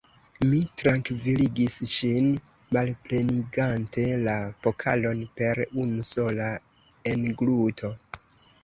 Mi trankviligis ŝin, malplenigante la pokalon per unu sola engluto.